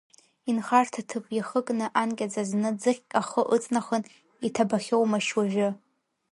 Инхарҭа ҭыԥ иахыкны анкьаӡа зны, ӡыхьк ахы ыҵнахын, иҭабахьоумашь уажәы?